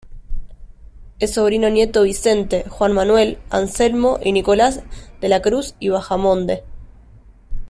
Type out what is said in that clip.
Es sobrino nieto Vicente, Juan Manuel, Anselmo y Nicolas de la Cruz y Bahamonde.